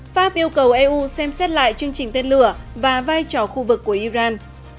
pháp yêu cầu eu xem xét lại chương trình tên lửa và vai trò khu vực của iran